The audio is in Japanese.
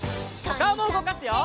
おかおもうごかすよ！